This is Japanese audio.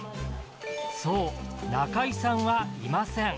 そう、仲居さんはいません。